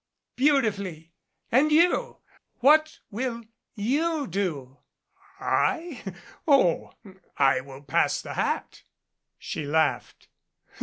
"Beautifully. And you what will you do?" "I Oh, I will pass the hat." She laughed.